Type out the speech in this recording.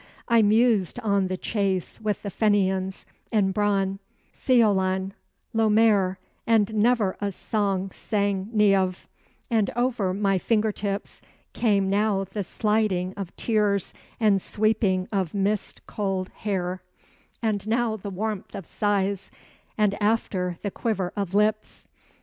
I mused on the chase with the Fenians, and Bran, Sgeolan, Lomair, And never a song sang Neave, and over my finger tips Came now the sliding of tears and sweeping of mist cold hair, And now the warmth of sighs, and after the quiver of lips.